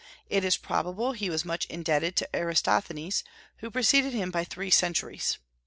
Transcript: It is probable he was much indebted to Eratosthenes, who preceded him by three centuries.